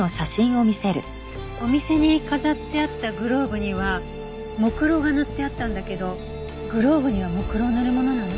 お店に飾ってあったグローブには木蝋が塗ってあったんだけどグローブには木蝋を塗るものなの？